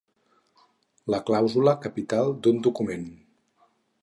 La clàusula capital d'un document.